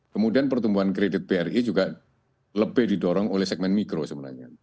kemudian pertumbuhan kredit bri juga lebih didorong oleh segmen mikro sebenarnya